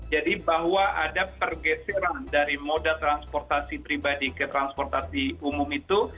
jadi bahwa ada pergeseran dari moda transportasi pribadi ke transportasi umum itu